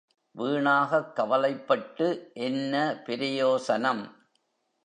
வீணாகக் கவலைப்பட்டு என்ன பிரயோசனம்?